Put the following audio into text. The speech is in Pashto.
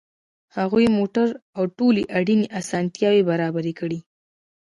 هغوی موټر او ټولې اړینې اسانتیاوې برابرې کړې